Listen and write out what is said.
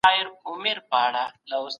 په قدم وهلو کې د چا زړه نه بدېږي.